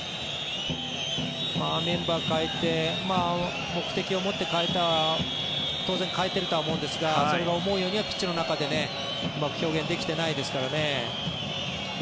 メンバーを代えて当然、目的を持って代えているとは思うんですがそれが思うようにはピッチの中ではうまく表現できてませんからね。